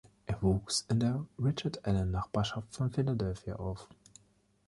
Er wuchs in der Richard Allen Nachbarschaft von Philadelphia auf.